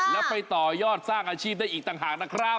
แล้วไปต่อยอดสร้างอาชีพได้อีกต่างหากนะครับ